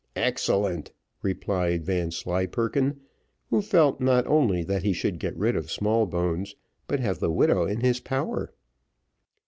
"Excellent!" replied Vanslyperken, who felt not only that he should get rid of Smallbones, but have the widow in his power.